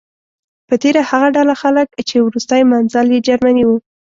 په تیره هغه ډله خلک چې وروستی منزل یې جرمني و.